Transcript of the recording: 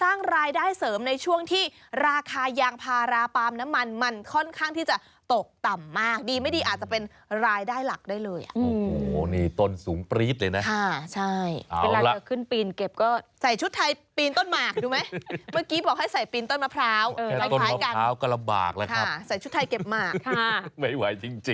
อาจจะเป็นรายได้หลักได้เลยอ่ะโอ้โหนี่ต้นสูงปรี๊บเลยนะค่ะใช่เวลาจะขึ้นปีนเก็บก็ใส่ชุดไทยปีนต้นหมากดูไหมเมื่อกี้บอกให้ใส่ปีนต้นมะพร้าวแค่ต้นมะพร้าวก็ลำบากแล้วครับใส่ชุดไทยเก็บหมากไม่ไหวจริง